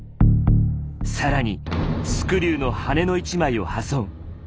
更にスクリューの羽根の１枚を破損。